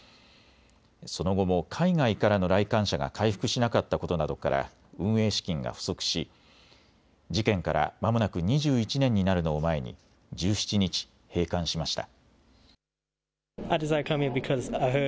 その後も海外からの来館者が回復しなかったことなどから運営資金が不足し事件からまもなく２１年になるのを前に１７日、閉館しました。